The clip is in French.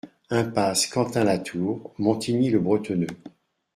Impasse Quentin La Tour, Montigny-le-Bretonneux